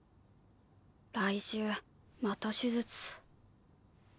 来週また手術。